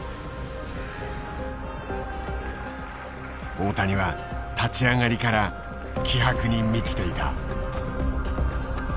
大谷は立ち上がりから気迫に満ちていた。